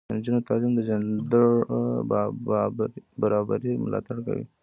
د نجونو تعلیم د جنډر برابري ملاتړ کوي.